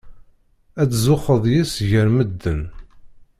Ad tzuxxeḍ yis-s gar medden.